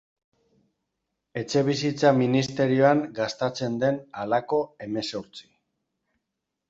Etxebizitza ministerioan gastatzen den halako hemezortzi.